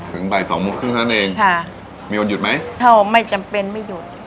บ่ายสองโมงครึ่งเท่านั้นเองค่ะมีวันหยุดไหมถ้าไม่จำเป็นไม่หยุด